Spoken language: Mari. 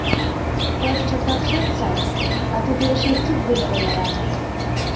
Пырче такшат сай, а тудо эше кид дене ойыра.